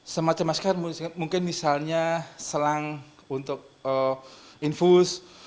semacam masker mungkin misalnya selang untuk infus